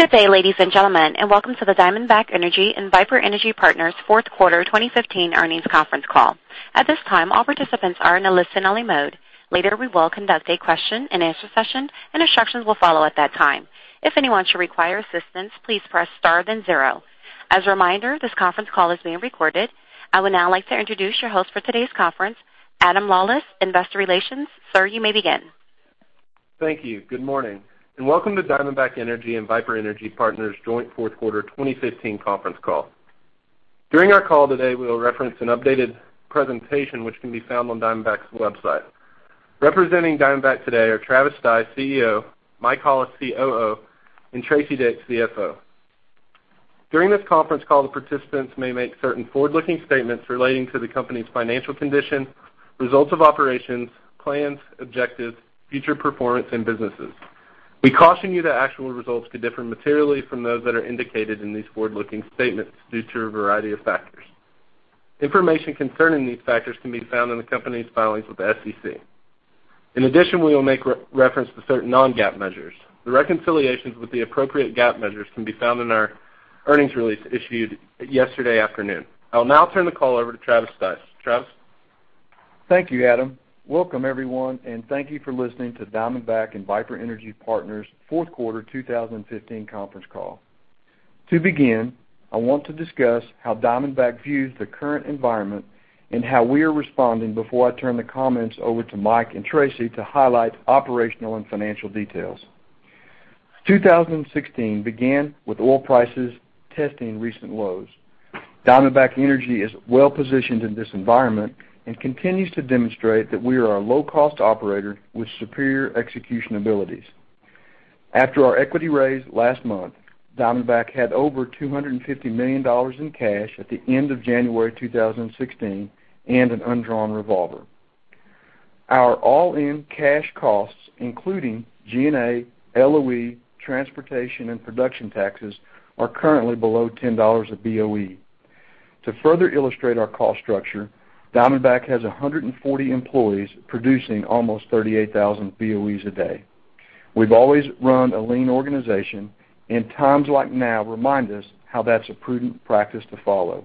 Good day, ladies and gentlemen, and welcome to the Diamondback Energy and Viper Energy Partners fourth quarter 2015 earnings conference call. At this time, all participants are in a listen-only mode. Later, we will conduct a question and answer session and instructions will follow at that time. If anyone should require assistance, please press star then zero. As a reminder, this conference call is being recorded. I would now like to introduce your host for today's conference, Adam Lawlis, investor relations. Sir, you may begin. Thank you. Good morning, and welcome to Diamondback Energy and Viper Energy Partners joint fourth quarter 2015 conference call. During our call today, we will reference an updated presentation which can be found on Diamondback's website. Representing Diamondback today are Travis Stice, CEO; Mike Hollis, COO, and Teresa L. Dick, CFO. During this conference call, the participants may make certain forward-looking statements relating to the company's financial condition, results of operations, plans, objectives, future performance and businesses. We caution you that actual results could differ materially from those that are indicated in these forward-looking statements due to a variety of factors. Information concerning these factors can be found in the company's filings with the SEC. In addition, we will make reference to certain non-GAAP measures. The reconciliations with the appropriate GAAP measures can be found in our earnings release issued yesterday afternoon. I'll now turn the call over to Travis Stice. Travis? Thank you, Adam. Welcome everyone, and thank you for listening to Diamondback and Viper Energy Partners' fourth quarter 2015 conference call. To begin, I want to discuss how Diamondback views the current environment and how we are responding before I turn the comments over to Mike and Tracy to highlight operational and financial details. 2016 began with oil prices testing recent lows. Diamondback Energy is well-positioned in this environment and continues to demonstrate that we are a low-cost operator with superior execution abilities. After our equity raise last month, Diamondback had over $250 million in cash at the end of January 2016 and an undrawn revolver. Our all-in cash costs, including G&A, LOE, transportation, and production taxes, are currently below $10 a BOE. To further illustrate our cost structure, Diamondback has 140 employees producing almost 38,000 BOEs a day. We've always run a lean organization, and times like now remind us how that's a prudent practice to follow.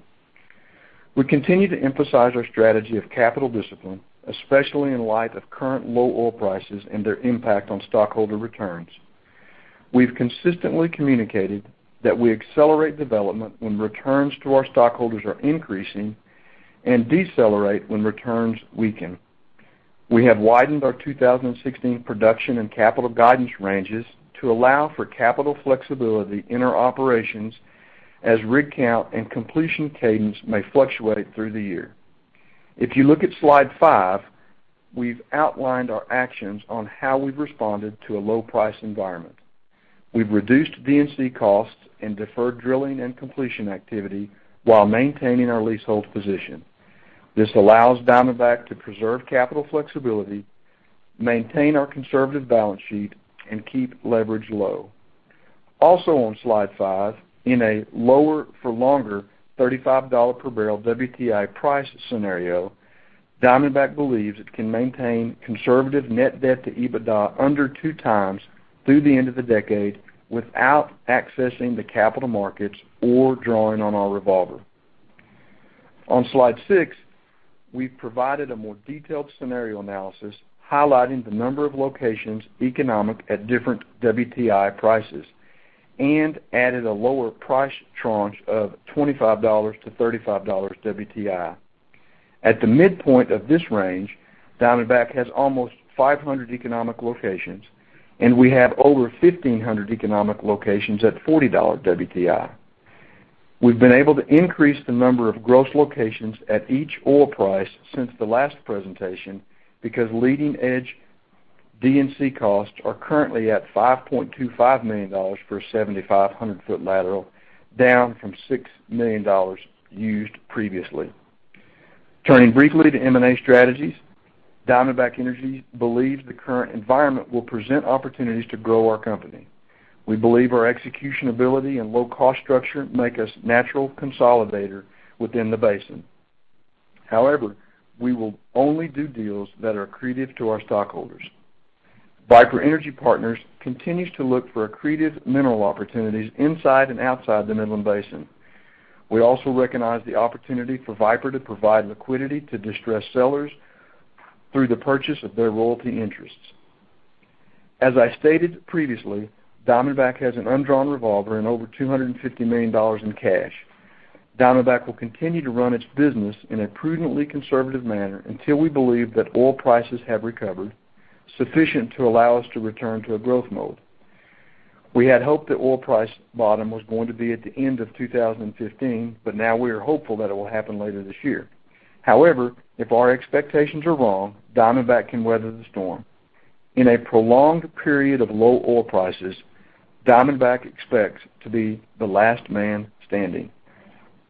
We continue to emphasize our strategy of capital discipline, especially in light of current low oil prices and their impact on stockholder returns. We've consistently communicated that we accelerate development when returns to our stockholders are increasing and decelerate when returns weaken. We have widened our 2016 production and capital guidance ranges to allow for capital flexibility in our operations as rig count and completion cadence may fluctuate through the year. If you look at Slide five, we've outlined our actions on how we've responded to a low-price environment. We've reduced D&C costs and deferred drilling and completion activity while maintaining our leasehold position. This allows Diamondback to preserve capital flexibility, maintain our conservative balance sheet, and keep leverage low. Also on Slide five, in a lower for longer $35 per barrel WTI price scenario, Diamondback believes it can maintain conservative net debt to EBITDA under two times through the end of the decade without accessing the capital markets or drawing on our revolver. On Slide six, we've provided a more detailed scenario analysis highlighting the number of locations economic at different WTI prices and added a lower price tranche of $25-$35 WTI. At the midpoint of this range, Diamondback has almost 500 economic locations, and we have over 1,500 economic locations at $40 WTI. We've been able to increase the number of gross locations at each oil price since the last presentation because leading-edge D&C costs are currently at $5.25 million for a 7,500-foot lateral, down from $6 million used previously. Turning briefly to M&A strategies, Diamondback Energy believes the current environment will present opportunities to grow our company. We believe our execution ability and low-cost structure make us a natural consolidator within the basin. However, we will only do deals that are accretive to our stockholders. Viper Energy Partners continues to look for accretive mineral opportunities inside and outside the Midland Basin. We also recognize the opportunity for Viper to provide liquidity to distressed sellers through the purchase of their royalty interests. As I stated previously, Diamondback has an undrawn revolver and over $250 million in cash. Diamondback will continue to run its business in a prudently conservative manner until we believe that oil prices have recovered sufficient to allow us to return to a growth mode. We had hoped the oil price bottom was going to be at the end of 2015, now we are hopeful that it will happen later this year. However, if our expectations are wrong, Diamondback can weather the storm. In a prolonged period of low oil prices, Diamondback expects to be the last man standing.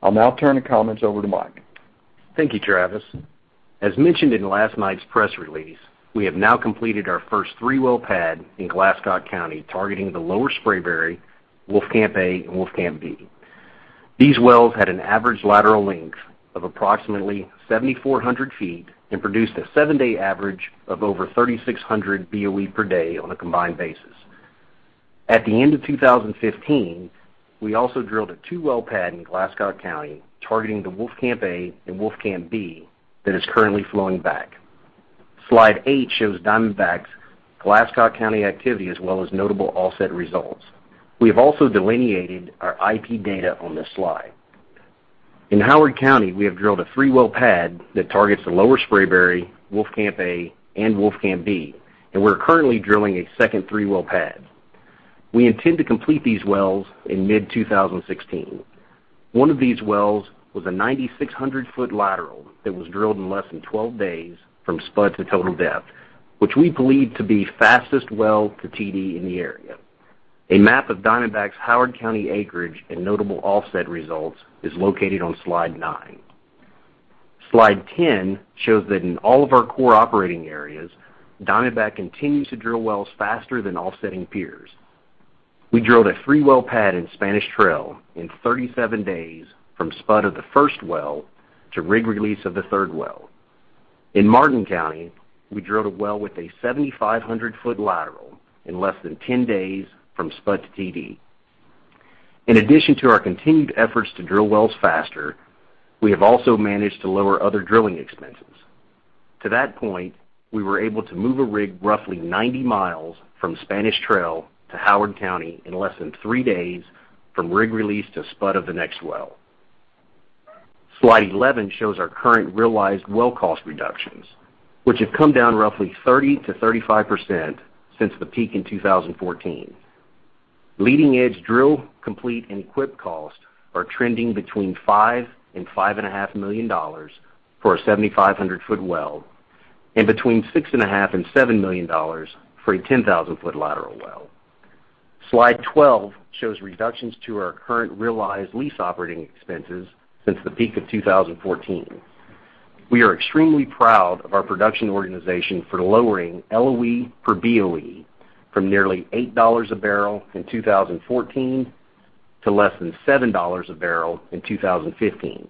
I'll now turn the comments over to Mike. Thank you, Travis. As mentioned in last night's press release, we have now completed our first three-well pad in Glasscock County, targeting the Lower Spraberry, Wolfcamp A, and Wolfcamp B. These wells had an average lateral length of approximately 7,400 feet and produced a seven-day average of over 3,600 BOE per day on a combined basis. At the end of 2015, we also drilled a two-well pad in Glasscock County, targeting the Wolfcamp A and Wolfcamp B that is currently flowing back. Slide eight shows Diamondback's Glasscock County activity, as well as notable offset results. We have also delineated our IP data on this slide. In Howard County, we have drilled a three-well pad that targets the Lower Spraberry, Wolfcamp A, and Wolfcamp B, and we're currently drilling a second three-well pad. We intend to complete these wells in mid-2016. One of these wells was a 9,600-foot lateral that was drilled in less than 12 days from spud to total depth, which we believe to be fastest well to TD in the area. A map of Diamondback's Howard County acreage and notable offset results is located on slide nine. Slide 10 shows that in all of our core operating areas, Diamondback continues to drill wells faster than offsetting peers. We drilled a three-well pad in Spanish Trail in 37 days from spud of the first well to rig release of the third well. In Martin County, we drilled a well with a 7,500-foot lateral in less than 10 days from spud to TD. In addition to our continued efforts to drill wells faster, we have also managed to lower other drilling expenses. To that point, we were able to move a rig roughly 90 miles from Spanish Trail to Howard County in less than three days from rig release to spud of the next well. Slide 11 shows our current realized well cost reductions, which have come down roughly 30%-35% since the peak in 2014. Leading-edge drill complete and equip costs are trending between $5 million and $5.5 million for a 7,500-foot well, and between $6.5 million and $7 million for a 10,000-foot lateral well. Slide 12 shows reductions to our current realized lease operating expenses since the peak of 2014. We are extremely proud of our production organization for lowering LOE per BOE from nearly $8 a barrel in 2014 to less than $7 a barrel in 2015.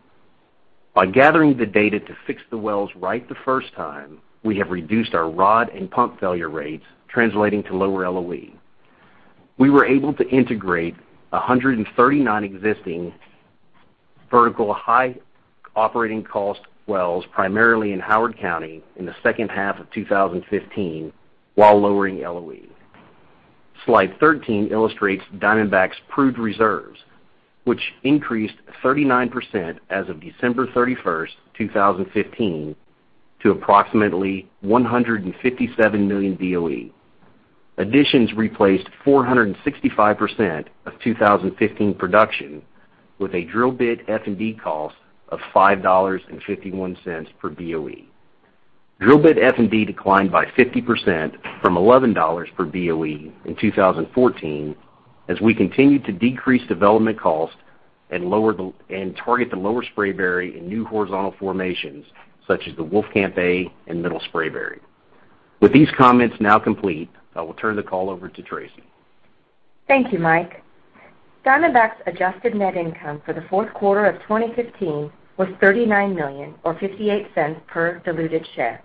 By gathering the data to fix the wells right the first time, we have reduced our rod and pump failure rates, translating to lower LOE. We were able to integrate 139 existing vertical high operating cost wells, primarily in Howard County, in the second half of 2015 while lowering LOE. Slide 13 illustrates Diamondback's proved reserves, which increased 39% as of December 31st, 2015, to approximately 157 million BOE. Additions replaced 465% of 2015 production with a drill bit F&D cost of $5.51 per BOE. Drill bit F&D declined by 50% from $11 per BOE in 2014, as we continued to decrease development cost and target the Lower Spraberry in new horizontal formations, such as the Wolfcamp A and Middle Spraberry. With these comments now complete, I will turn the call over to Teresa. Thank you, Michael. Diamondback's adjusted net income for the fourth quarter of 2015 was $39 million, or $0.58 per diluted share.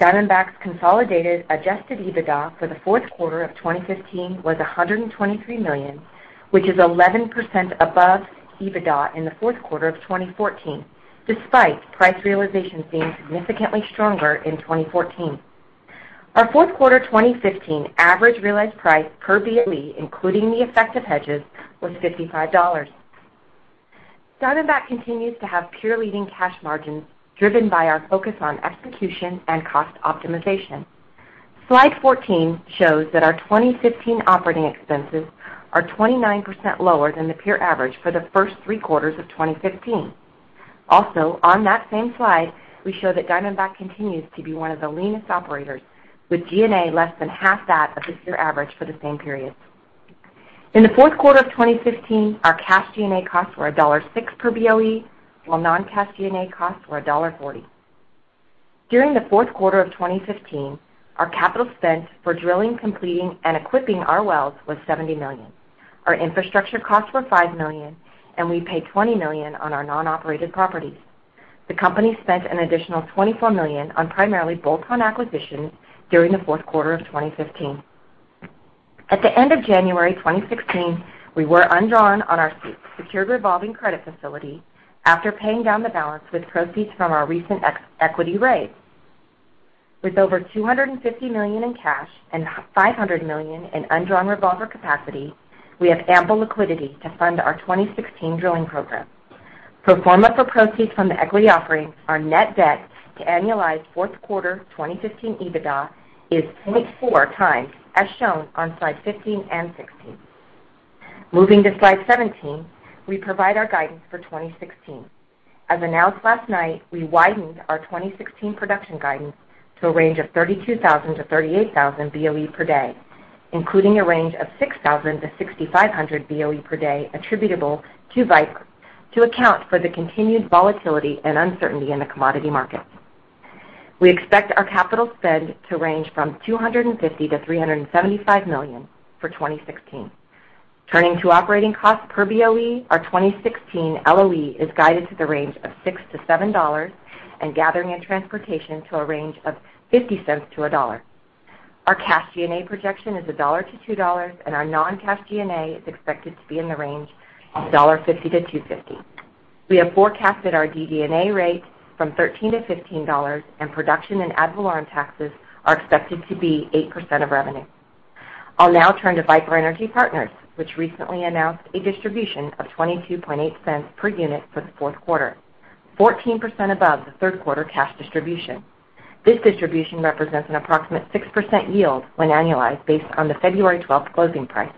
Diamondback's consolidated adjusted EBITDA for the fourth quarter of 2015 was $123 million, which is 11% above EBITDA in the fourth quarter of 2014, despite price realization being significantly stronger in 2014. Our fourth quarter 2015 average realized price per BOE, including the effect of hedges, was $55. Diamondback continues to have peer-leading cash margins, driven by our focus on execution and cost optimization. Slide 14 shows that our 2015 operating expenses are 29% lower than the peer average for the first three quarters of 2015. Also, on that same slide, we show that Diamondback continues to be one of the leanest operators, with G&A less than half that of the peer average for the same period. In the fourth quarter of 2015, our cash G&A costs were $1.06 per BOE, while non-cash G&A costs were $1.40. During the fourth quarter of 2015, our capital spent for drilling, completing, and equipping our wells was $70 million. Our infrastructure costs were $5 million, and we paid $20 million on our non-operated properties. The company spent an additional $24 million on primarily bolt-on acquisitions during the fourth quarter of 2015. At the end of January 2016, we were undrawn on our secured revolving credit facility after paying down the balance with proceeds from our recent equity raise. With over $250 million in cash and $500 million in undrawn revolver capacity, we have ample liquidity to fund our 2016 drilling program. Pro forma for proceeds from the equity offering, our net debt to annualized fourth quarter 2015 EBITDA is 0.4 times, as shown on slide 15 and 16. Moving to slide 17, we provide our guidance for 2016. As announced last night, we widened our 2016 production guidance to a range of 32,000 to 38,000 BOE per day, including a range of 6,000 to 6,500 BOE per day attributable to Viper, to account for the continued volatility and uncertainty in the commodity market. We expect our capital spend to range from $250 million-$375 million for 2016. Turning to operating costs per BOE, our 2016 LOE is guided to the range of $6-$7 and gathering and transportation to a range of $0.50-$1.00. Our cash G&A projection is $1.00-$2.00, and our non-cash G&A is expected to be in the range of $1.50-$2.50. We have forecasted our DD&A rate from $13-$15, and production and ad valorem taxes are expected to be 8% of revenue. I'll now turn to Viper Energy Partners, which recently announced a distribution of $0.228 per unit for the fourth quarter, 14% above the third quarter cash distribution. This distribution represents an approximate 6% yield when annualized based on the February 12th closing price.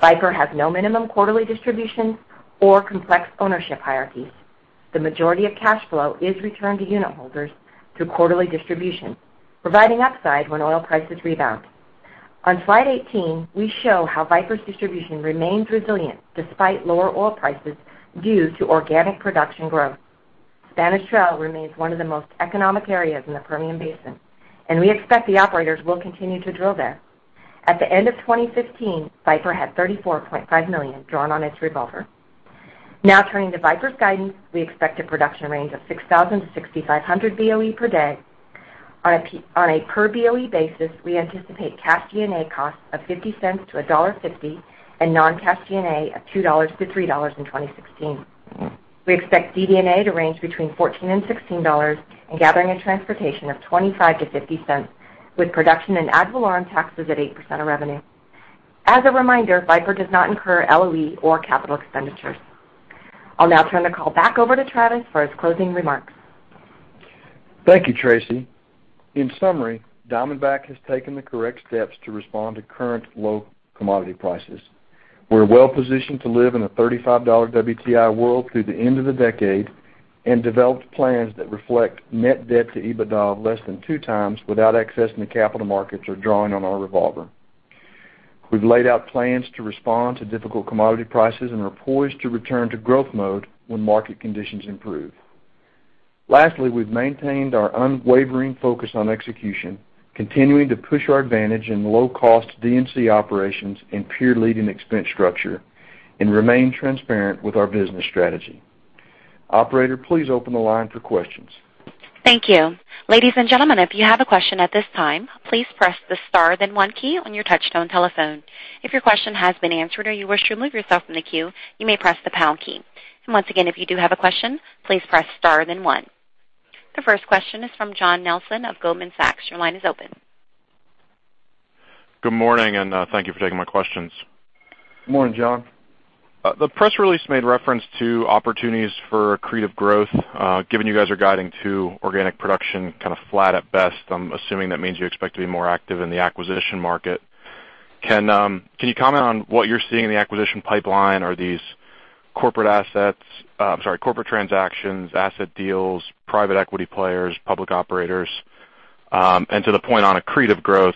Viper has no minimum quarterly distributions or complex ownership hierarchies. The majority of cash flow is returned to unit holders through quarterly distribution, providing upside when oil prices rebound. On slide 18, we show how Viper's distribution remains resilient despite lower oil prices due to organic production growth. Spanish Trail remains one of the most economic areas in the Permian Basin, and we expect the operators will continue to drill there. At the end of 2015, Viper had $34.5 million drawn on its revolver. Now turning to Viper's guidance, we expect a production range of 6,000 to 6,500 BOE per day. On a per BOE basis, we anticipate cash G&A costs of $0.50-$1.50 and non-cash G&A of $2-$3 in 2016. We expect DD&A to range between $14-$16 and gathering and transportation of $0.25-$0.50, with production and ad valorem taxes at 8% of revenue. As a reminder, Viper does not incur LOE or capital expenditures. I'll now turn the call back over to Travis for his closing remarks. Thank you, Teresa. In summary, Diamondback has taken the correct steps to respond to current low commodity prices. We're well-positioned to live in a $35 WTI world through the end of the decade and developed plans that reflect net debt to EBITDA of less than two times without accessing the capital markets or drawing on our revolver. We've laid out plans to respond to difficult commodity prices and are poised to return to growth mode when market conditions improve. Lastly, we've maintained our unwavering focus on execution, continuing to push our advantage in low-cost D&C operations and peer-leading expense structure and remain transparent with our business strategy. Operator, please open the line for questions. Thank you. Ladies and gentlemen, if you have a question at this time, please press the star then one key on your touch-tone telephone. If your question has been answered or you wish to remove yourself from the queue, you may press the pound key. Once again, if you do have a question, please press star then one. The first question is from John Nelson of Goldman Sachs. Your line is open. Good morning. Thank you for taking my questions. Good morning, John. The press release made reference to opportunities for accretive growth. Given you guys are guiding to organic production flat at best, I'm assuming that means you expect to be more active in the acquisition market. Can you comment on what you're seeing in the acquisition pipeline? Are these corporate transactions, asset deals, private equity players, public operators? And to the point on accretive growth,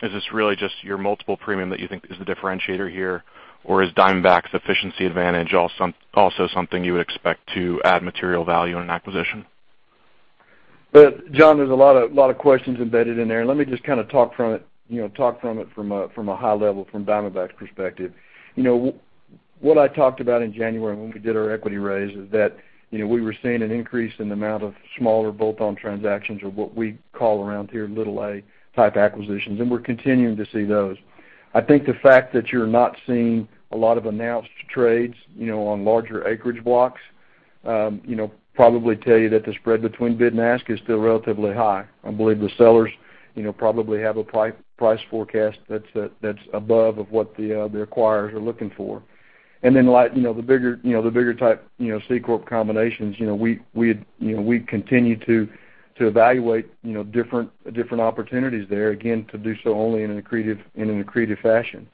is this really just your multiple premium that you think is the differentiator here? Or is Diamondback Energy's efficiency advantage also something you would expect to add material value in an acquisition? John, there's a lot of questions embedded in there. Let me just talk from it from a high level, from Diamondback Energy's perspective. What I talked about in January when we did our equity raise is that we were seeing an increase in the amount of smaller bolt-on transactions or what we call around here little A type acquisitions, and we're continuing to see those. I think the fact that you're not seeing a lot of announced trades on larger acreage blocks probably tell you that the spread between bid and ask is still relatively high. I believe the sellers probably have a price forecast that's above of what the acquirers are looking for. Then the bigger type C corp combinations, we continue to evaluate different opportunities there, again, to do so only in an accretive fashion.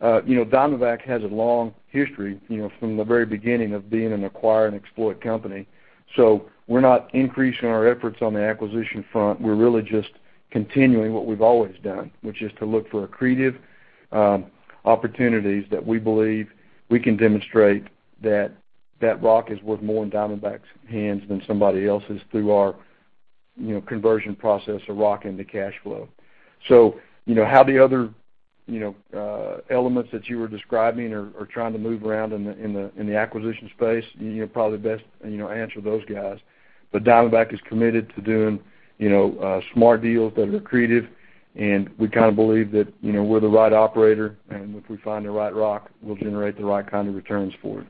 Diamondback Energy has a long history from the very beginning of being an acquire and exploit company. We're not increasing our efforts on the acquisition front. We're really just continuing what we've always done, which is to look for accretive opportunities that we believe we can demonstrate that that rock is worth more in Diamondback Energy's hands than somebody else's through our conversion process of rock into cash flow. How the other elements that you were describing are trying to move around in the acquisition space, you're probably best to answer those guys. Diamondback Energy is committed to doing smart deals that are accretive, and we believe that we're the right operator, and if we find the right rock, we'll generate the right kind of returns for it.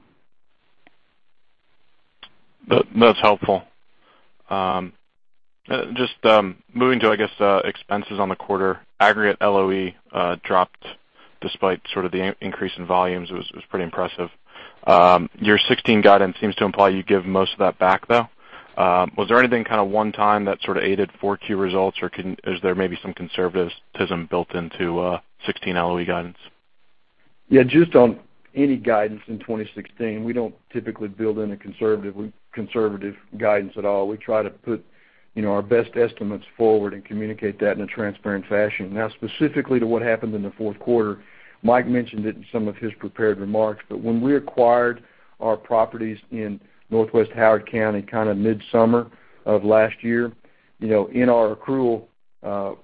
That's helpful. Just moving to, I guess, expenses on the quarter, aggregate LOE dropped despite the increase in volumes. It was pretty impressive. Your 2016 guidance seems to imply you give most of that back, though. Was there anything one time that aided Q4 results, or is there maybe some conservatism built into 2016 LOE guidance? Yeah, just on any guidance in 2016, we don't typically build in a conservative guidance at all. We try to put our best estimates forward and communicate that in a transparent fashion. Specifically to what happened in the fourth quarter, Mike mentioned it in some of his prepared remarks, but when we acquired our properties in Northwest Howard County midsummer of last year, in our accrual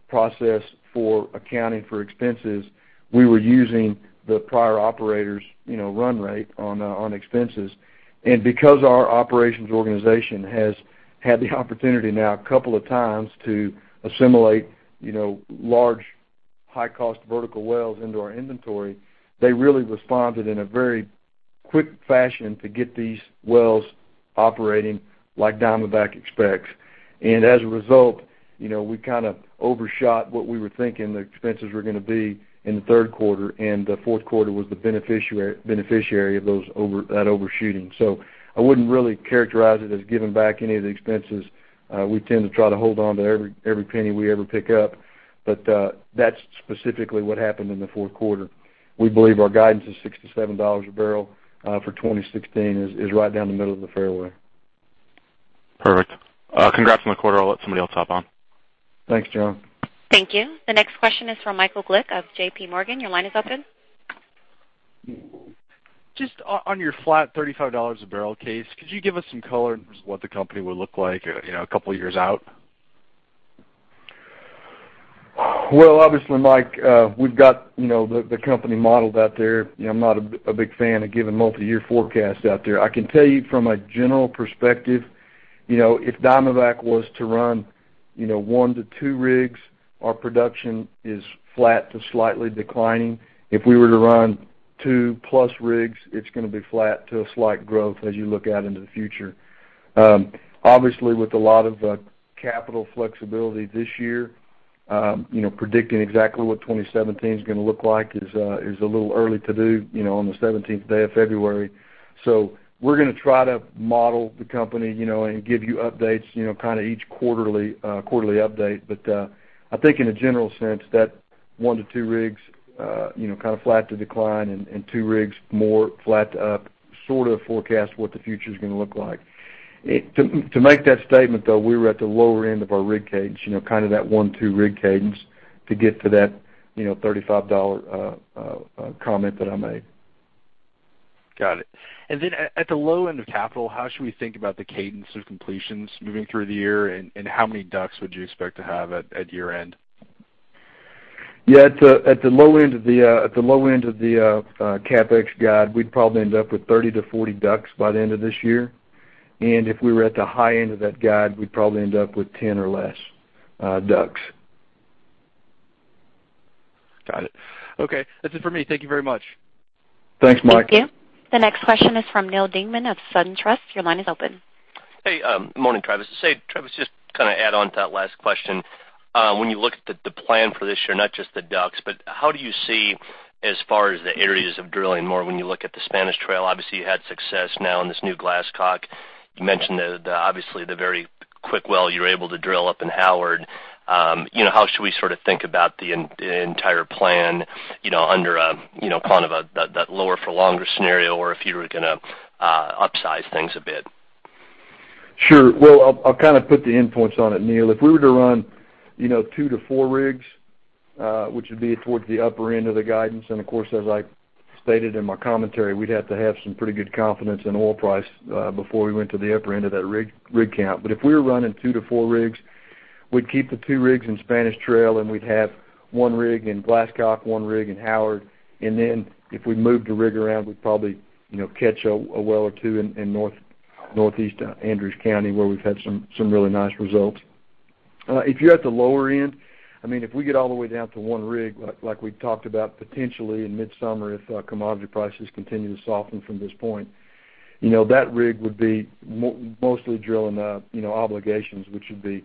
process for accounting for expenses, we were using the prior operator's run rate on expenses. Because our operations organization has had the opportunity now a couple of times to assimilate large, high-cost vertical wells into our inventory, they really responded in a very quick fashion to get these wells operating like Diamondback expects. As a result, we overshot what we were thinking the expenses were going to be in the third quarter, and the fourth quarter was the beneficiary of that overshooting. I wouldn't really characterize it as giving back any of the expenses. We tend to try to hold on to every penny we ever pick up. That's specifically what happened in the fourth quarter. We believe our guidance is $6-$7 a barrel for 2016 is right down the middle of the fairway. Perfect. Congrats on the quarter. I'll let somebody else hop on. Thanks, John. Thank you. The next question is from Michael Glick of JPMorgan. Your line is open. Just on your flat $35 a barrel case, could you give us some color in terms of what the company would look like a couple of years out? Well, obviously, Mike, we've got the company modeled out there. I'm not a big fan of giving multi-year forecasts out there. I can tell you from a general perspective, if Diamondback was to run one to two rigs, our production is flat to slightly declining. If we were to run two-plus rigs, it's going to be flat to a slight growth as you look out into the future. Obviously, with a lot of capital flexibility this year, predicting exactly what 2017 is going to look like is a little early to do on the 17th day of February. We're going to try to model the company, and give you updates, each quarterly update. I think in a general sense, that one to two rigs, flat to decline, and two rigs more flat to up, sort of forecast what the future is going to look like. To make that statement, though, we were at the lower end of our rig cadence, that one, two rig cadence to get to that $35 comment that I made. Got it. At the low end of CapEx, how should we think about the cadence of completions moving through the year? How many DUCs would you expect to have at year-end? Yeah, at the low end of the CapEx guide, we'd probably end up with 30-40 DUCs by the end of this year. If we were at the high end of that guide, we'd probably end up with 10 or less DUCs. Got it. Okay. That's it for me. Thank you very much. Thanks, Mike. Thank you. The next question is from Neal Dingmann of SunTrust. Your line is open. Hey, good morning, Travis. Travis, just add on to that last question. When you look at the plan for this year, not just the DUCs, but how do you see as far as the areas of drilling more when you look at the Spanish Trail? Obviously, you had success now in this new Glasscock. You mentioned, obviously, the very quick well you were able to drill up in Howard. How should we think about the entire plan under that lower for longer scenario or if you were going to upsize things a bit? Sure. Well, I'll put the endpoints on it, Neal. Of course, as I stated in my commentary, we'd have to have some pretty good confidence in oil price before we went to the upper end of that rig count. If we were running two to four rigs, which would be towards the upper end of the guidance, we'd keep the two rigs in Spanish Trail, and we'd have one rig in Glasscock, one rig in Howard, and then if we moved a rig around, we'd probably catch a well or two in Northeast Andrews County, where we've had some really nice results. If you're at the lower end, if we get all the way down to one rig, like we talked about potentially in midsummer, if commodity prices continue to soften from this point, that rig would be mostly drilling obligations, which would be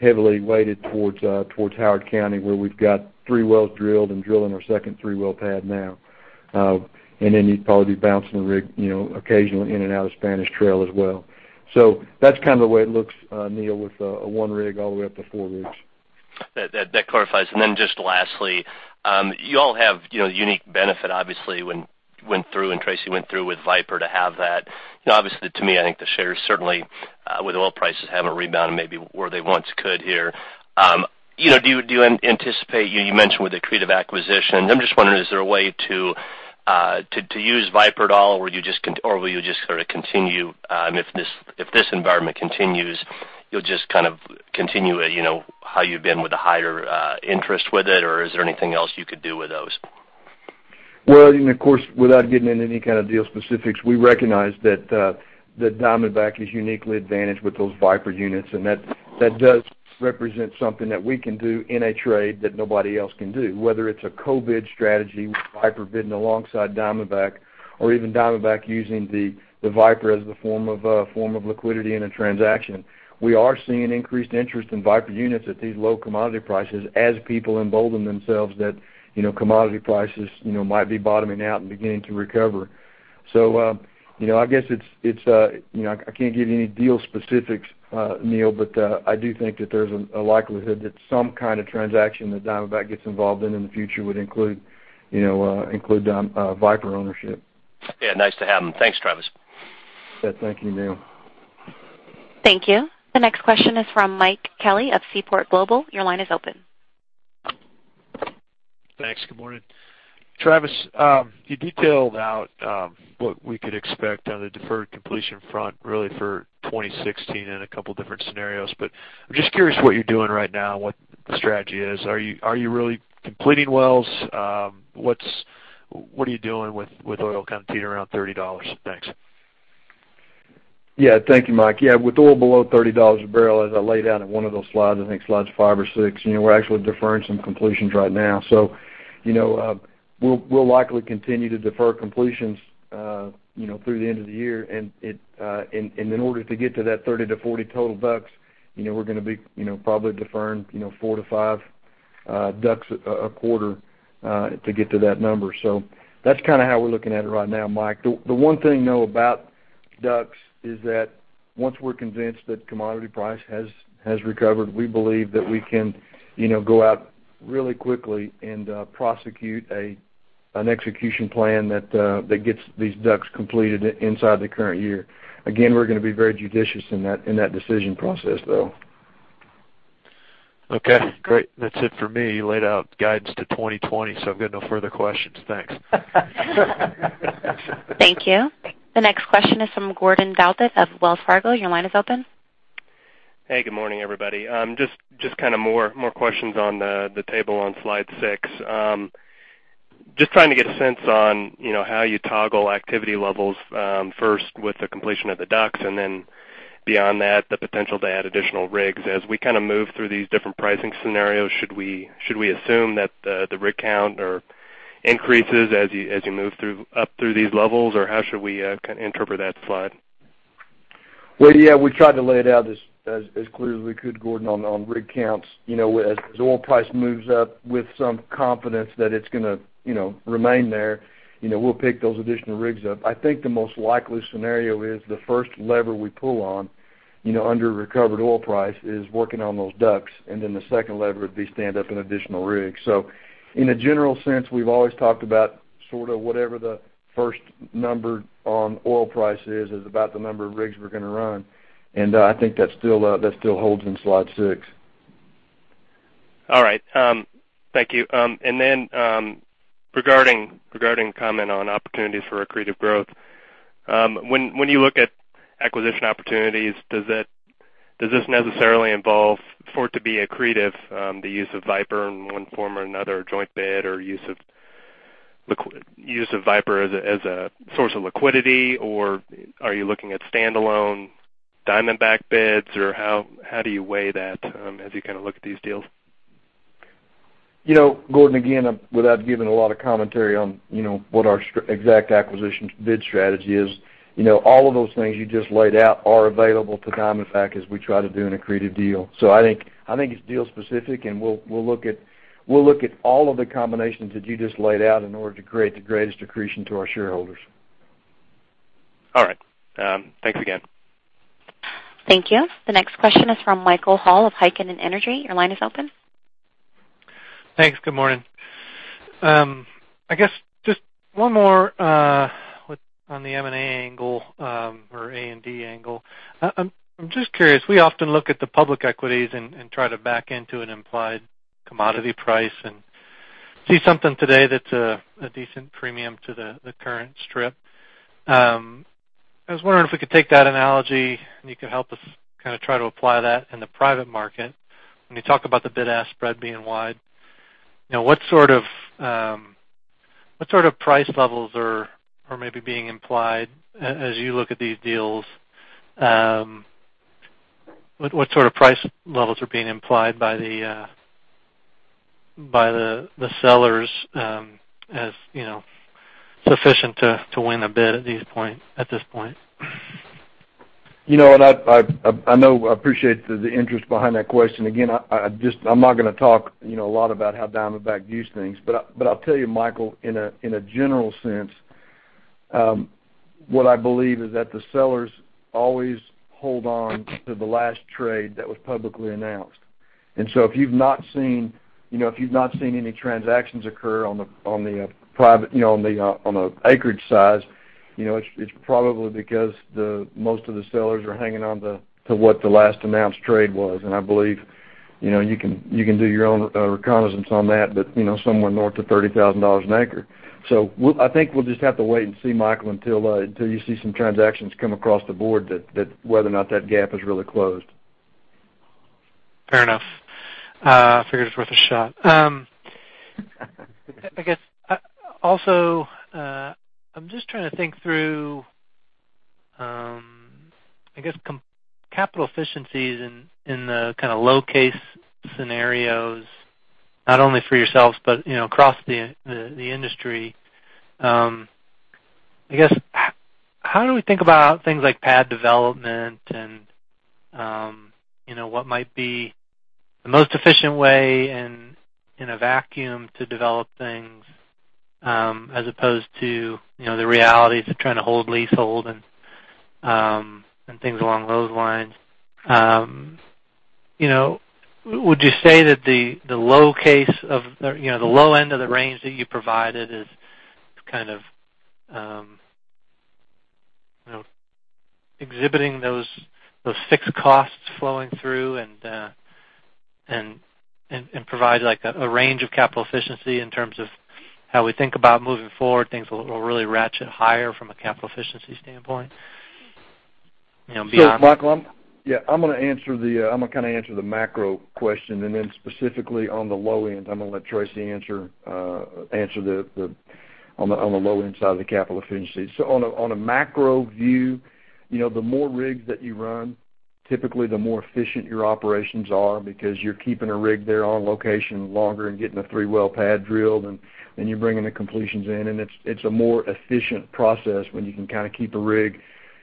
heavily weighted towards Howard County, where we've got three wells drilled and drilling our second three-well pad now. You'd probably be bouncing the rig occasionally in and out of Spanish Trail as well. That's the way it looks, Neal, with a one rig all the way up to four rigs. That clarifies. Just lastly, you all have unique benefit, obviously, when Tracy went through with Viper to have that. Obviously, to me, I think the shares certainly with oil prices haven't rebounded maybe where they once could here. Do you anticipate, you mentioned with the accretive acquisition, I'm just wondering, is there a way to use Viper at all, or will you just continue if this environment continues, you'll just continue how you've been with the higher interest with it, or is there anything else you could do with those? Of course, without getting into any deal specifics, we recognize that Diamondback is uniquely advantaged with those Viper units, and that does represent something that we can do in a trade that nobody else can do, whether it's a co-bid strategy with Viper bidding alongside Diamondback or even Diamondback using the Viper as the form of liquidity in a transaction. We are seeing increased interest in Viper units at these low commodity prices as people embolden themselves that commodity prices might be bottoming out and beginning to recover. I guess I can't give you any deal specifics, Neal, but I do think that there's a likelihood that some kind of transaction that Diamondback gets involved in in the future would include Viper ownership. Yeah, nice to have him. Thanks, Travis. Thank you, Neal. Thank you. The next question is from Mike Kelly of Seaport Global. Your line is open. Thanks. Good morning. Travis, you detailed out what we could expect on the deferred completion front really for 2016 and a couple different scenarios. I'm just curious what you're doing right now and what the strategy is. Are you really completing wells? What are you doing with oil competing around $30? Thanks. Yeah. Thank you, Mike. Yeah, with oil below $30 a barrel, as I laid out in one of those slides, I think slides five or six, we're actually deferring some completions right now. We'll likely continue to defer completions through the end of the year. In order to get to that 30 to 40 total DUCs, we're going to be probably deferring four to five DUCs a quarter to get to that number. That's how we're looking at it right now, Mike. The one thing though about DUCs is that once we're convinced that commodity price has recovered, we believe that we can go out really quickly and prosecute an execution plan that gets these DUCs completed inside the current year. Again, we're going to be very judicious in that decision process, though. Okay, great. That's it for me. You laid out guidance to 2020, I've got no further questions. Thanks. Thank you. The next question is from Gordon Pitt of Wells Fargo. Your line is open. Good morning, everybody. More questions on the table on slide six. Trying to get a sense on how you toggle activity levels, first with the completion of the DUCs and then beyond that, the potential to add additional rigs. As we move through these different pricing scenarios, should we assume that the rig count increases as you move up through these levels? Or how should we interpret that slide? Well, yeah, we tried to lay it out as clearly as we could, Gordon, on rig counts. As oil price moves up with some confidence that it's going to remain there, we'll pick those additional rigs up. I think the most likely scenario is the first lever we pull on under a recovered oil price is working on those DUCs, the second lever would be stand up an additional rig. In a general sense, we've always talked about whatever the first number on oil price is about the number of rigs we're going to run, and I think that still holds in slide six. All right. Thank you. Regarding comment on opportunities for accretive growth. When you look at acquisition opportunities, does this necessarily involve, for it to be accretive, the use of Viper in one form or another, joint bid or use of Viper as a source of liquidity? Are you looking at standalone Diamondback bids? How do you weigh that as you look at these deals? Gordon, again, without giving a lot of commentary on what our exact acquisitions bid strategy is, all of those things you just laid out are available to Diamondback as we try to do an accretive deal. I think it's deal specific, and we'll look at all of the combinations that you just laid out in order to create the greatest accretion to our shareholders. All right. Thanks again. Thank you. The next question is from Michael Hall of Heikkinen Energy Advisors. Your line is open. Thanks. Good morning. I guess just one more on the M&A angle or A&D angle. I'm just curious, we often look at the public equities and try to back into an implied commodity price and see something today that's a decent premium to the current strip. I was wondering if we could take that analogy and you could help us try to apply that in the private market. When you talk about the bid-ask spread being wide, now what sort of price levels are maybe being implied as you look at these deals? What sort of price levels are being implied by the sellers as sufficient to win a bid at this point? I know, I appreciate the interest behind that question. Again, I'm not going to talk a lot about how Diamondback views things. I'll tell you, Michael, in a general sense, what I believe is that the sellers always hold on to the last trade that was publicly announced. If you've not seen any transactions occur on the acreage size, it's probably because most of the sellers are hanging on to what the last announced trade was, and I believe you can do your own reconnaissance on that, but somewhere north of $30,000 an acre. I think we'll just have to wait and see, Michael, until you see some transactions come across the board that whether or not that gap is really closed. Fair enough. Figured it's worth a shot. Also, I'm just trying to think through capital efficiencies in the low case scenarios, not only for yourselves but across the industry. How do we think about things like pad development and what might be the most efficient way in a vacuum to develop things, as opposed to the realities of trying to hold leasehold and things along those lines? Would you say that the low end of the range that you provided is kind of exhibiting those fixed costs flowing through and provide a range of capital efficiency in terms of how we think about moving forward, things will really ratchet higher from a capital efficiency standpoint. Michael, I'm going to answer the macro question, and then specifically on the low end, I'm going to let Teresa answer on the low end side of the capital efficiency. On a macro view, the more rigs that you run, typically the more efficient your operations are because you're keeping a rig there on location longer and getting a three-well pad drilled, and then you're bringing the completions in, and it's a more efficient process when you can keep a rig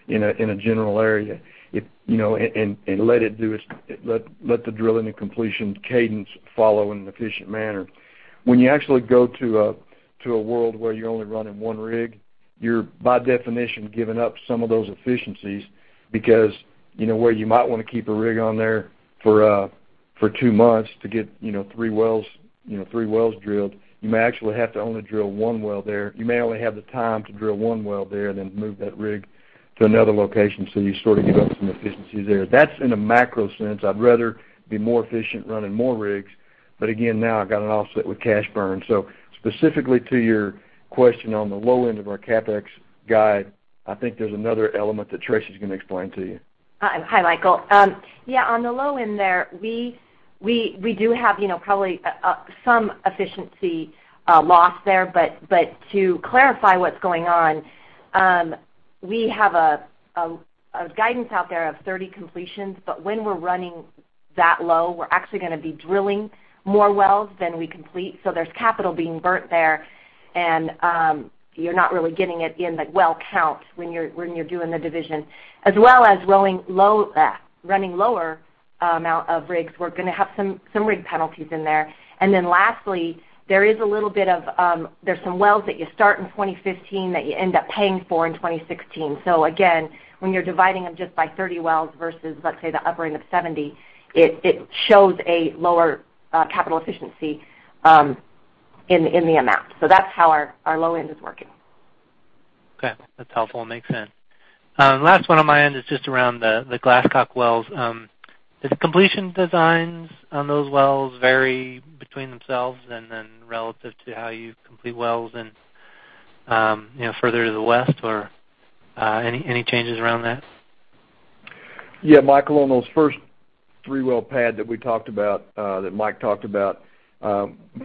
in a general area, and let the drilling and completion cadence follow in an efficient manner. When you actually go to a world where you're only running one rig, you're by definition giving up some of those efficiencies because, where you might want to keep a rig on there for two months to get three wells drilled, you may actually have to only drill one well there. You may only have the time to drill one well there, then move that rig to another location. You sort of give up some efficiency there. That's in a macro sense. I'd rather be more efficient running more rigs. Again, now I've got to offset with cash burn. Specifically to your question, on the low end of our CapEx guide, I think there's another element that Teresa's going to explain to you. Hi, Michael. Yeah, on the low end there, we do have probably some efficiency loss there. To clarify what's going on, we have a guidance out there of 30 completions, but when we're running that low, we're actually going to be drilling more wells than we complete. There's capital being burnt there, and you're not really getting it in the well count when you're doing the division. As well as running lower amount of rigs, we're going to have some rig penalties in there. Lastly, there's some wells that you start in 2015 that you end up paying for in 2016. Again, when you're dividing them just by 30 wells versus, let's say, the upper end of 70, it shows a lower capital efficiency in the amount. That's how our low end is working. Okay. That's helpful, makes sense. Last one on my end is just around the Glasscock wells. Does the completion designs on those wells vary between themselves and then relative to how you complete wells and further to the west? Or any changes around that? Yeah, Michael, on those first three-well pad that Mike talked about,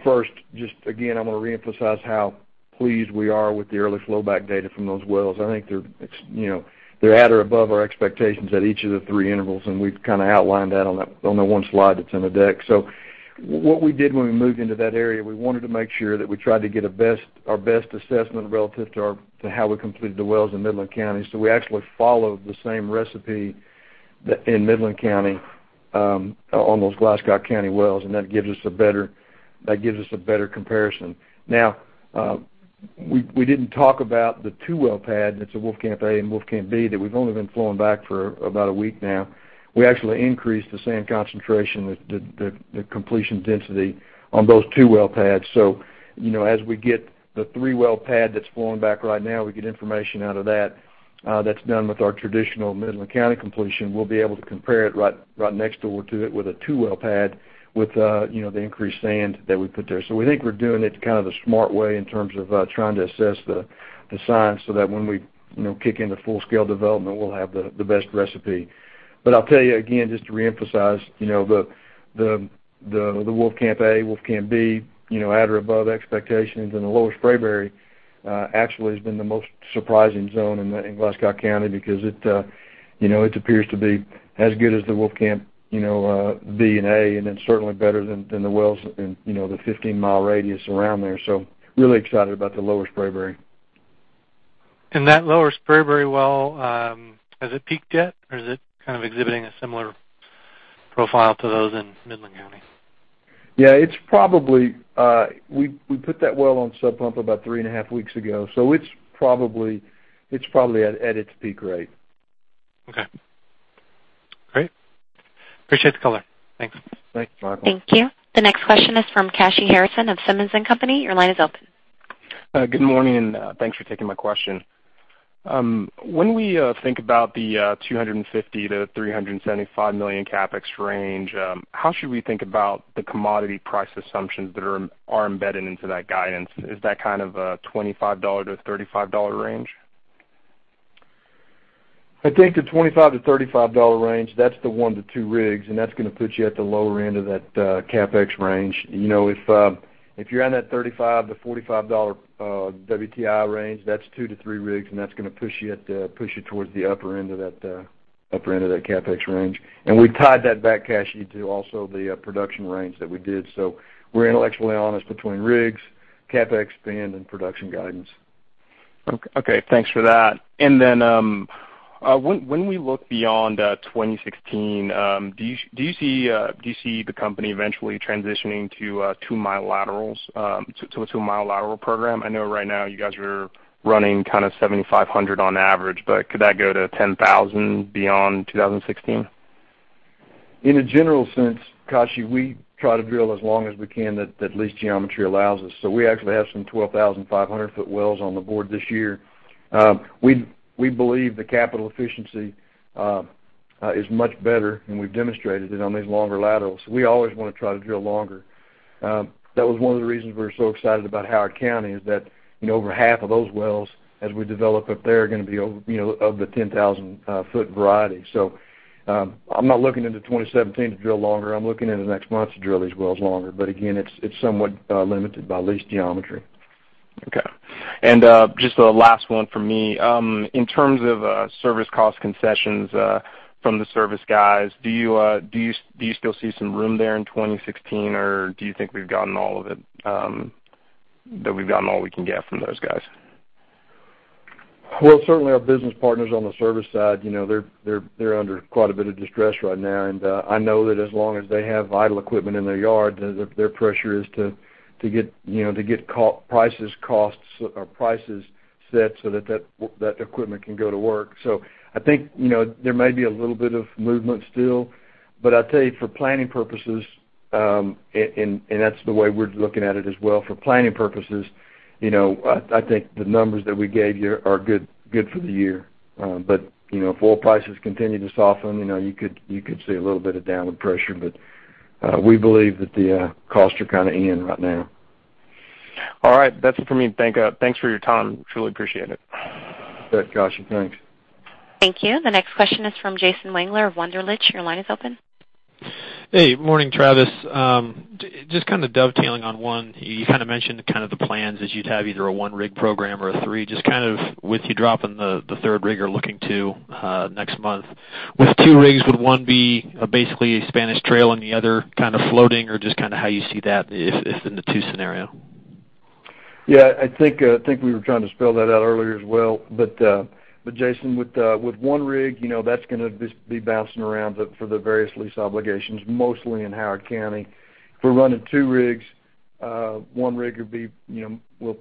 first, just again, I'm going to reemphasize how pleased we are with the early flowback data from those wells. I think they're at or above our expectations at each of the three intervals, and we've outlined that on the one slide that's in the deck. What we did when we moved into that area, we wanted to make sure that we tried to get our best assessment relative to how we completed the wells in Midland County. We actually followed the same recipe in Midland County on those Glasscock County wells, and that gives us a better comparison. Now, we didn't talk about the two-well pad, that's the Wolfcamp A and Wolfcamp B, that we've only been flowing back for about a week now. We actually increased the sand concentration, the completion density on those two-well pads. As we get the three-well pad that's flowing back right now, we get information out of that's done with our traditional Midland County completion. We'll be able to compare it right next door to it with a two-well pad with the increased sand that we put there. We think we're doing it the smart way in terms of trying to assess the science so that when we kick into full scale development, we'll have the best recipe. I'll tell you again, just to reemphasize, the Wolfcamp A, Wolfcamp B, at or above expectations, and the Lower Spraberry actually has been the most surprising zone in Glasscock County because it appears to be as good as the Wolfcamp B and A, and it's certainly better than the wells in the 15-mile radius around there. Really excited about the Lower Spraberry. That Lower Spraberry well, has it peaked yet? Or is it exhibiting a similar profile to those in Midland County? Yeah, we put that well on sub pump about three and a half weeks ago, so it's probably at its peak rate. Okay. Great. Appreciate the color. Thanks. Thanks, Michael. Thank you. The next question is from Kashy Harrison of Simmons & Company. Your line is open. Good morning, thanks for taking my question. When we think about the $250 million-$375 million CapEx range, how should we think about the commodity price assumptions that are embedded into that guidance? Is that a $25-$35 range? I think the $25-$35 range, that's the one to two rigs, that's going to put you at the lower end of that CapEx range. If you're on that $35-$45 WTI range, that's two to three rigs, that's going to push you towards the upper end of that CapEx range. We tied that back, Kashy, to also the production range that we did. We're intellectually honest between rigs, CapEx spend, and production guidance. Okay. Thanks for that. When we look beyond 2016, do you see the company eventually transitioning to a 2-mile lateral program? I know right now you guys are running 7,500 on average, could that go to 10,000 beyond 2016? In a general sense, Kashy, we try to drill as long as we can that lease geometry allows us. We actually have some 12,500-foot wells on the board this year. We believe the capital efficiency is much better, and we've demonstrated it on these longer laterals. We always want to try to drill longer. That was one of the reasons we were so excited about Howard County is that over half of those wells, as we develop up there, are going to be of the 10,000-foot variety. I'm not looking into 2017 to drill longer. I'm looking in the next month to drill these wells longer. Again, it's somewhat limited by lease geometry. Okay. Just a last one from me. In terms of service cost concessions from the service guys, do you still see some room there in 2016, or do you think that we've gotten all we can get from those guys? Well, certainly our business partners on the service side, they're under quite a bit of distress right now, and I know that as long as they have idle equipment in their yard, their pressure is to get prices set so that equipment can go to work. I think there may be a little bit of movement still, I tell you, for planning purposes, that's the way we're looking at it as well, for planning purposes, I think the numbers that we gave you are good for the year. If oil prices continue to soften, you could see a little bit of downward pressure, we believe that the costs are kind of in right now. All right. That's it for me. Thanks for your time. Truly appreciate it. You bet, Kashy. Thanks. Thank you. The next question is from Jason Wangler of Wunderlich. Your line is open. Hey, morning, Travis. Just dovetailing on one, you mentioned the plans that you'd have either a one rig program or a three. Just with you dropping the third rig or looking to next month, with two rigs, would one be basically a Spanish Trail and the other floating, or just how you see that if in the two scenario? I think we were trying to spell that out earlier as well. Jason, with one rig, that's going to just be bouncing around for the various lease obligations, mostly in Howard County. If we're running two rigs, we'll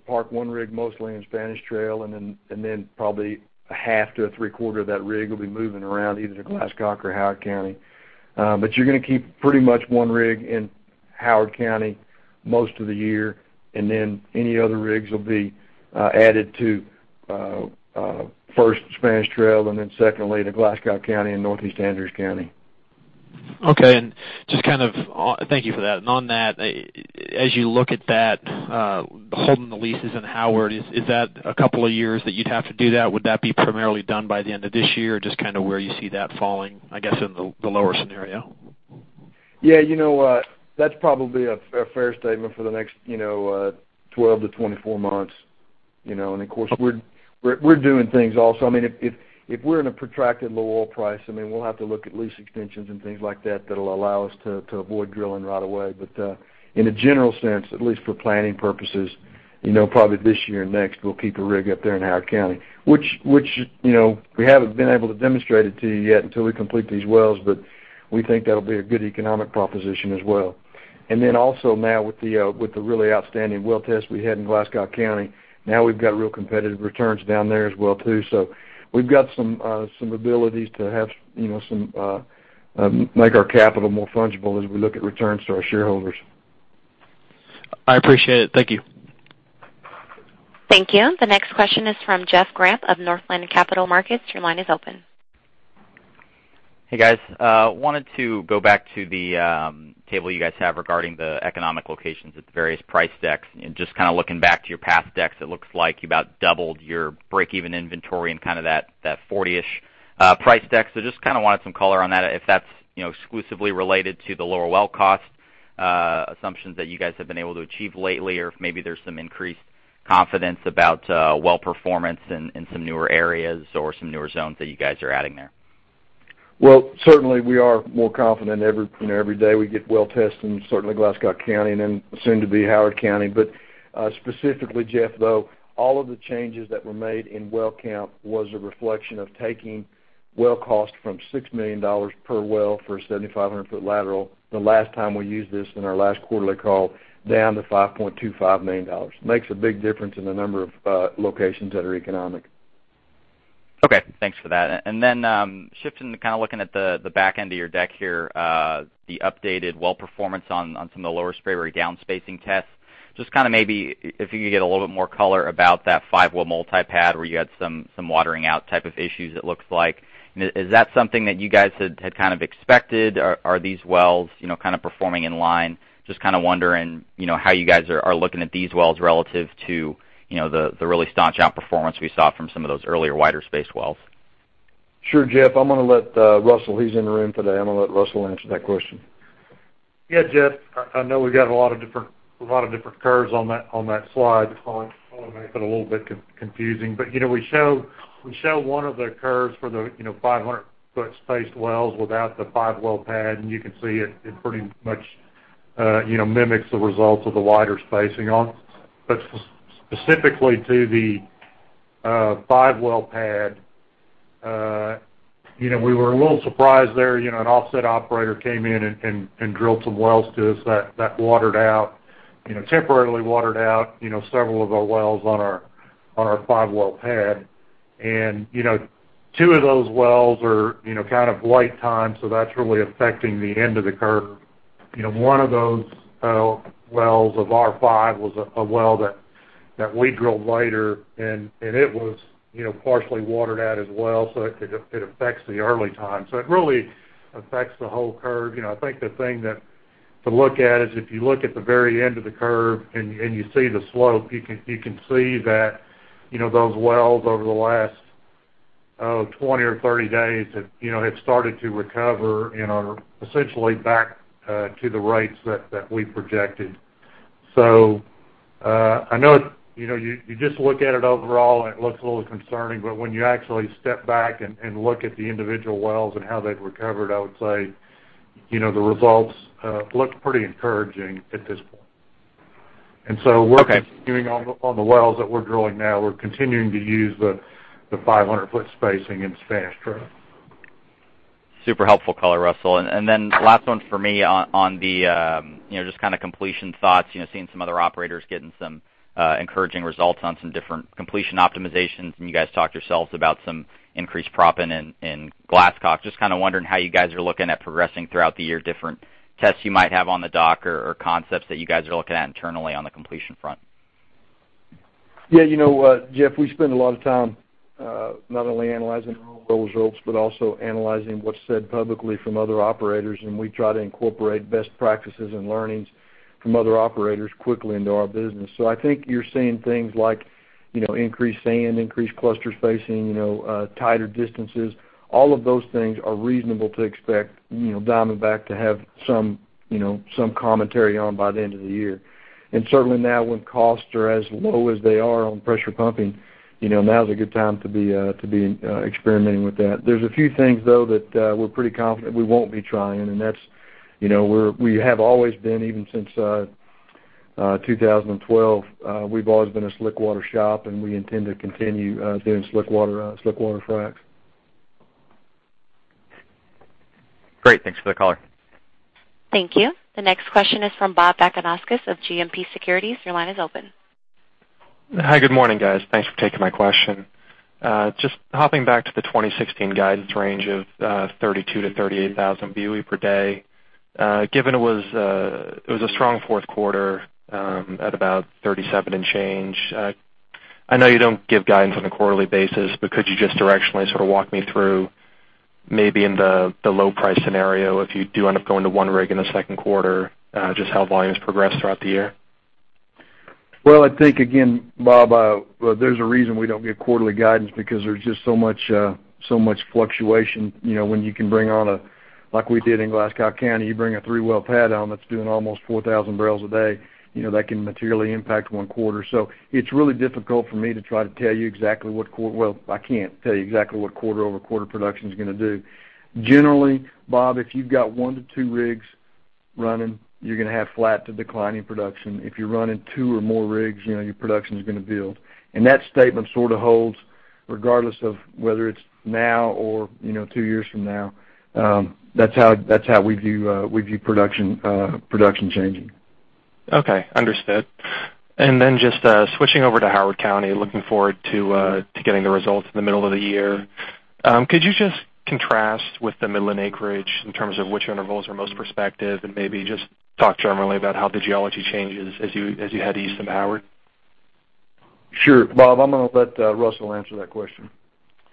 park one rig mostly in Spanish Trail, and then probably a half to three-quarter of that rig will be moving around either to Glasscock or Howard County. You're going to keep pretty much one rig in Howard County most of the year, and then any other rigs will be added to first Spanish Trail and then secondly to Glasscock County and Northeast Andrews County. Okay. Thank you for that. On that, as you look at that, holding the leases in Howard, is that a couple of years that you'd have to do that? Would that be primarily done by the end of this year? Just where you see that falling, I guess, in the lower scenario. That's probably a fair statement for the next 12 to 24 months. Of course, we're doing things also. If we're in a protracted low oil price, we'll have to look at lease extensions and things like that that'll allow us to avoid drilling right away. In a general sense, at least for planning purposes, probably this year and next, we'll keep a rig up there in Howard County, which we haven't been able to demonstrate it to you yet until we complete these wells, but we think that'll be a good economic proposition as well. Also now with the really outstanding well test we had in Glasscock County, now we've got real competitive returns down there as well too. We've got some abilities to make our capital more fungible as we look at returns to our shareholders. I appreciate it. Thank you. Thank you. The next question is from Jeff Grampp of Northland Capital Markets. Your line is open. Hey, guys. Wanted to go back to the table you guys have regarding the economic locations at the various price decks, and just looking back to your past decks, it looks like you about doubled your break-even inventory and that 40-ish price deck. Just wanted some color on that, if that's exclusively related to the lower well cost assumptions that you guys have been able to achieve lately, or if maybe there's some increased confidence about well performance in some newer areas or some newer zones that you guys are adding there. Well, certainly, we are more confident every day we get well tests in, certainly Glasscock County and then soon to be Howard County. But specifically, Jeff, though, all of the changes that were made in well count was a reflection of taking well cost from $6 million per well for a 7,500-foot lateral, the last time we used this in our last quarterly call, down to $5.25 million. Makes a big difference in the number of locations that are economic. Okay. Thanks for that. Shifting to looking at the back end of your deck here, the updated well performance on some of the Lower Spraberry down-spacing tests. Just maybe if you could get a little bit more color about that 5-well multi-pad where you had some watering out type of issues, it looks like. Is that something that you guys had expected? Are these wells performing in line? Just wondering how you guys are looking at these wells relative to the really staunch outperformance we saw from some of those earlier wider space wells. Sure, Jeff. I'm going to let Russell, he's in the room today. I'm going to let Russell answer that question. Yeah, Jeff. I know we got a lot of different curves on that slide, probably make it a little bit confusing. We show one of the curves for the 500-foot spaced wells without the five-well pad, and you can see it pretty much mimics the results of the wider spacing on it. Specifically to the five-well pad, we were a little surprised there. An offset operator came in and drilled some wells to us that temporarily watered out several of our wells on our five-well pad. Two of those wells are kind of light time, so that's really affecting the end of the curve. One of those wells of R5 was a well that we drilled later, and it was partially watered out as well, so it affects the early time. It really affects the whole curve. I think the thing to look at is if you look at the very end of the curve and you see the slope, you can see that those wells over the last 20 or 30 days have started to recover and are essentially back to the rates that we projected. I know you just look at it overall and it looks a little concerning, but when you actually step back and look at the individual wells and how they've recovered, I would say the results look pretty encouraging at this point. Okay. We're continuing on the wells that we're drilling now. We're continuing to use the 500-foot spacing. Super helpful color, Russell. Then last one for me on the just kind of completion thoughts, seeing some other operators getting some encouraging results on some different completion optimizations, and you guys talked yourselves about some increased proppant in Glasscock. Kind of wondering how you guys are looking at progressing throughout the year, different tests you might have on the dock or concepts that you guys are looking at internally on the completion front. Yeah, Jeff, we spend a lot of time not only analyzing our own results, but also analyzing what's said publicly from other operators, and we try to incorporate best practices and learnings from other operators quickly into our business. I think you're seeing things like increased sand, increased cluster spacing, tighter distances. All of those things are reasonable to expect Diamondback to have some commentary on by the end of the year. Certainly now, when costs are as low as they are on pressure pumping, now's a good time to be experimenting with that. There's a few things, though, that we're pretty confident we won't be trying, and that's we have always been, even since 2012, we've always been a slick water shop and we intend to continue doing slick water fracs. Great. Thanks for the color. Thank you. The next question is from [Bob Bakanauskas] of GMP Securities. Your line is open. Hi. Good morning, guys. Thanks for taking my question. Just hopping back to the 2016 guidance range of 32,000 to 38,000 BOE per day. Given it was a strong fourth quarter at about 37 and change, I know you don't give guidance on a quarterly basis. Could you just directionally sort of walk me through maybe in the low price scenario, if you do end up going to one rig in the second quarter, just how volumes progress throughout the year? Well, I think, again, Bob, there's a reason we don't give quarterly guidance because there's just so much fluctuation. When you can bring on a, like we did in Glasscock County, you bring a three-well pad on that's doing almost 4,000 barrels a day, that can materially impact one quarter. It's really difficult for me to try to tell you exactly what, well, I can't tell you exactly what quarter-over-quarter production's going to do. Generally, Bob, if you've got one to two rigs running, you're going to have flat to declining production. If you're running two or more rigs, your production's going to build. That statement sort of holds regardless of whether it's now or two years from now. That's how we view production changing. Okay. Understood. Just switching over to Howard County, looking forward to getting the results in the middle of the year. Could you just contrast with the Midland acreage in terms of which intervals are most prospective, and maybe just talk generally about how the geology changes as you head east of Howard? Sure. Bob, I'm going to let Russell answer that question.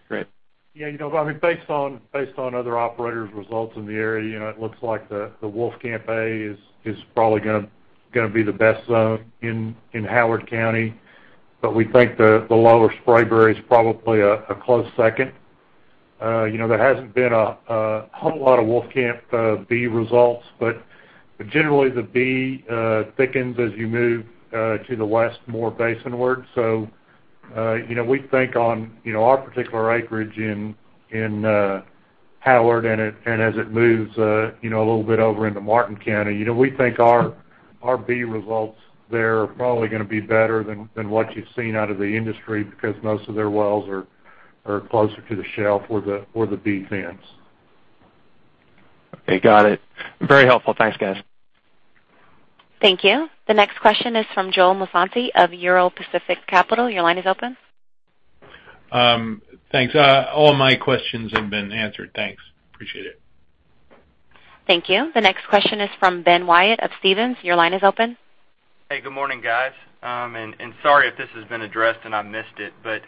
Great. Yeah, Bob, based on other operators' results in the area, it looks like the Wolfcamp A is probably going to be the best zone in Howard County. We think the Lower Spraberry is probably a close second. There hasn't been a whole lot of Wolfcamp B results. Generally, the B thickens as you move to the west, more basinward. We think on our particular acreage in Howard and as it moves a little bit over into Martin County, we think our B results there are probably going to be better than what you've seen out of the industry because most of their wells are closer to the shelf or the B sands. Okay. Got it. Very helpful. Thanks, guys. Thank you. The next question is from Joel Musante of Euro Pacific Capital. Your line is open. Thanks. All my questions have been answered. Thanks. Appreciate it. Thank you. The next question is from Ben Wyatt of Stephens. Your line is open. Hey, good morning, guys. Sorry if this has been addressed and I missed it, but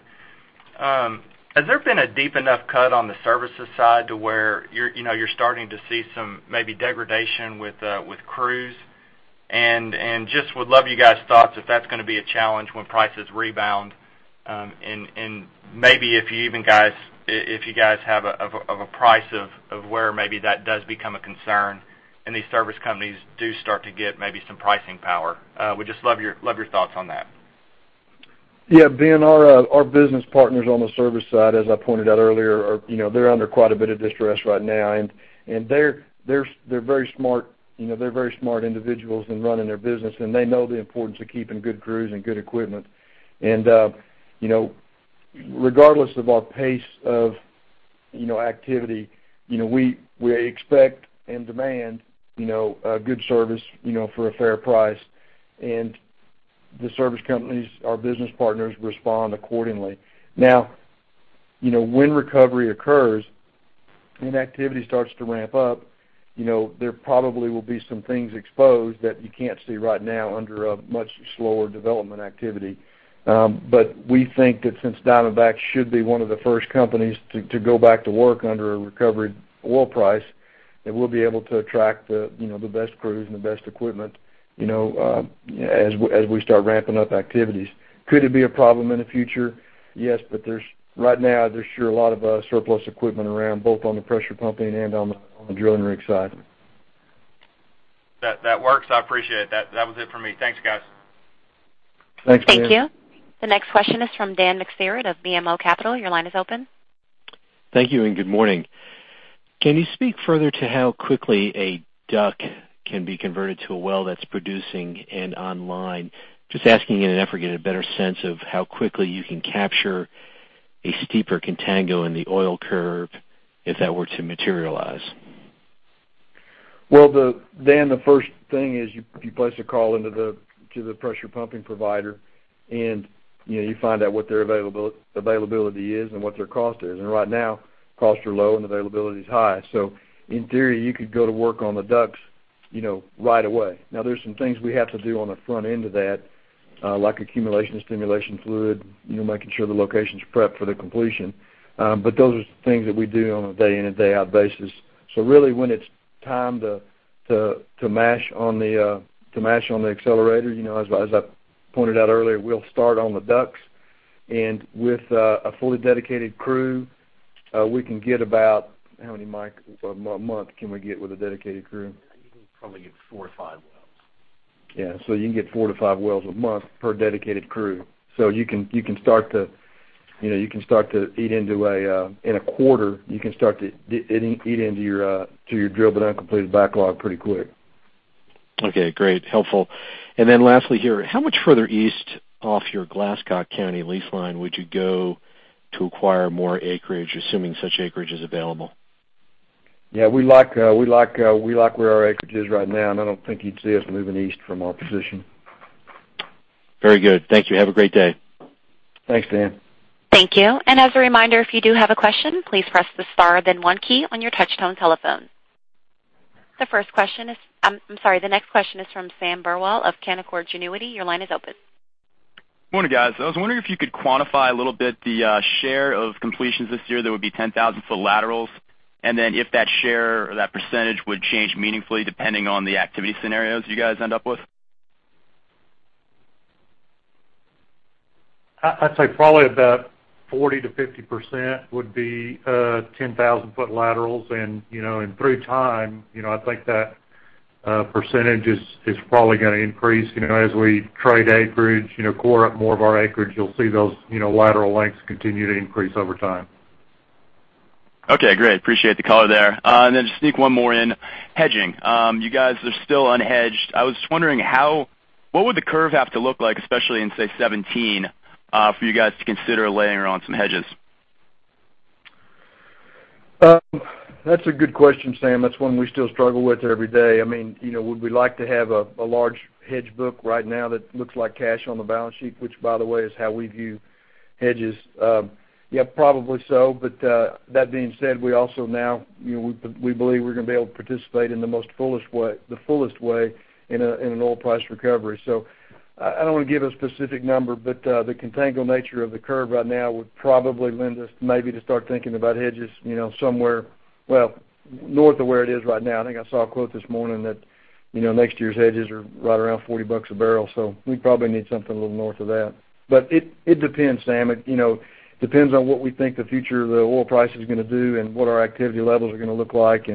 has there been a deep enough cut on the services side to where you're starting to see some maybe degradation with crews? Just would love you guys' thoughts if that's going to be a challenge when prices rebound. Maybe if you guys have a price of where maybe that does become a concern and these service companies do start to get maybe some pricing power. Would just love your thoughts on that. Yeah, Ben, our business partners on the service side, as I pointed out earlier, they're under quite a bit of distress right now, and they're very smart individuals in running their business, and they know the importance of keeping good crews and good equipment. Regardless of our pace of activity. We expect and demand a good service for a fair price, and the service companies, our business partners respond accordingly. Now, when recovery occurs and activity starts to ramp up, there probably will be some things exposed that you can't see right now under a much slower development activity. We think that since Diamondback should be one of the first companies to go back to work under a recovered oil price, that we'll be able to attract the best crews and the best equipment as we start ramping up activities. Could it be a problem in the future? Yes. Right now, there's sure a lot of surplus equipment around, both on the pressure pumping and on the drilling rig side. That works. I appreciate that. That was it for me. Thanks, guys. Thanks, Dan. Thank you. The next question is from Dan McSpirit of BMO Capital. Your line is open. Thank you. Good morning. Can you speak further to how quickly a DUC can be converted to a well that's producing and online? Just asking in an effort to get a better sense of how quickly you can capture a steeper contango in the oil curve if that were to materialize. Well, Dan, the first thing is you place a call to the pressure pumping provider, you find out what their availability is and what their cost is. Right now, costs are low and availability is high. In theory, you could go to work on the DUCs right away. There's some things we have to do on the front end of that, like accumulation stimulation fluid, making sure the location's prepped for the completion. Those are things that we do on a day in and day out basis. Really when it's time to mash on the accelerator, as I pointed out earlier, we'll start on the DUCs. With a fully dedicated crew, we can get about How many a month can we get with a dedicated crew? You can probably get four or five wells. Yeah. You can get four to five wells a month per dedicated crew. You can start to eat into, in a quarter, you can start to eat into your drilled but uncompleted backlog pretty quick. Okay, great. Helpful. Lastly here, how much further east off your Glasscock County lease line would you go to acquire more acreage, assuming such acreage is available? Yeah, we like where our acreage is right now. I don't think you'd see us moving east from our position. Very good. Thank you. Have a great day. Thanks, Dan. Thank you. As a reminder, if you do have a question, please press the star then one key on your touchtone telephone. The next question is from Sam Burwell of Canaccord Genuity. Your line is open. Morning, guys. I was wondering if you could quantify a little bit the share of completions this year that would be 10,000 foot laterals, then if that share or that percentage would change meaningfully depending on the activity scenarios you guys end up with. I'd say probably about 40% to 50% would be 10,000 foot laterals, through time, I think that percentage is probably going to increase. As we trade acreage, core up more of our acreage, you'll see those lateral lengths continue to increase over time. Okay, great. Appreciate the color there. Then just sneak one more in. Hedging. You guys are still unhedged. I was just wondering, what would the curve have to look like, especially in, say, 2017, for you guys to consider layering on some hedges? That's a good question, Sam. That's one we still struggle with every day. Would we like to have a large hedge book right now that looks like cash on the balance sheet, which by the way, is how we view hedges? Yeah, probably so. That being said, we also now believe we're going to be able to participate in the fullest way in an oil price recovery. I don't want to give a specific number, the contango nature of the curve right now would probably lend us maybe to start thinking about hedges somewhere, well, north of where it is right now. I think I saw a quote this morning that next year's hedges are right around $40 a barrel. We probably need something a little north of that. It depends, Sam. It depends on what we think the future of the oil price is going to do and what our activity levels are going to look like.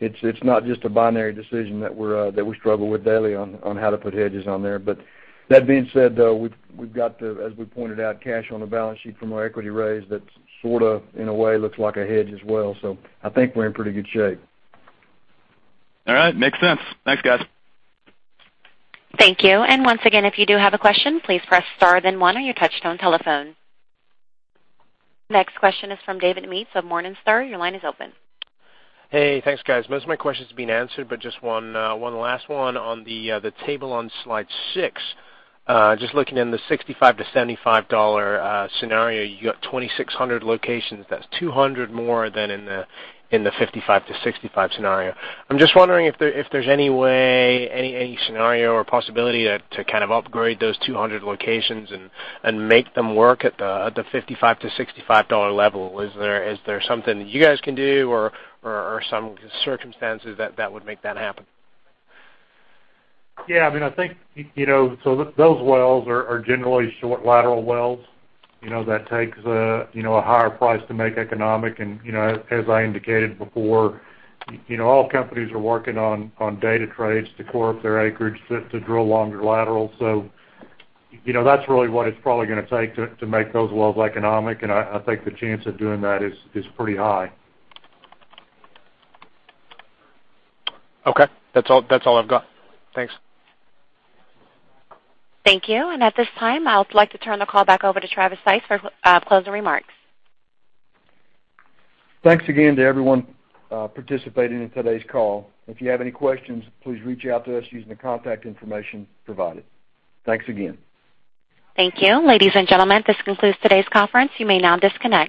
It's not just a binary decision that we struggle with daily on how to put hedges on there. That being said, though, we've got, as we pointed out, cash on the balance sheet from our equity raise that sort of, in a way, looks like a hedge as well. I think we're in pretty good shape. All right. Makes sense. Thanks, guys. Thank you. Once again, if you do have a question, please press star then one on your touchtone telephone. Next question is from David Meats of Morningstar. Your line is open. Hey. Thanks, guys. Most of my questions have been answered, just one last one on the table on slide six. Looking in the $65-$75 scenario, you got 2,600 locations. That's 200 more than in the $55-$65 scenario. I'm just wondering if there's any way, any scenario or possibility to upgrade those 200 locations and make them work at the $55-$65 level. Is there something that you guys can do or some circumstances that would make that happen? Yeah. Those wells are generally short lateral wells that takes a higher price to make economic. As I indicated before, all companies are working on data trades to core up their acreage to drill longer laterals. That's really what it's probably going to take to make those wells economic, and I think the chance of doing that is pretty high. Okay. That's all I've got. Thanks. Thank you. At this time, I would like to turn the call back over to Travis Stice for closing remarks. Thanks again to everyone participating in today's call. If you have any questions, please reach out to us using the contact information provided. Thanks again. Thank you. Ladies and gentlemen, this concludes today's conference. You may now disconnect.